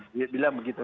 dia bilang begitu